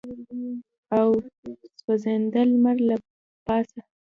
او سوځنده لمر له پاسه.